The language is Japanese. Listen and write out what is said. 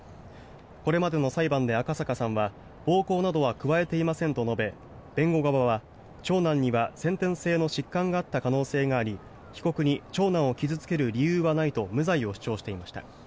これまでの裁判で赤坂さんは暴行などは加えていませんと述べ弁護側は長男には先天性の疾患があった可能性があり被告に長男を傷付ける理由はないと無罪を主張していました。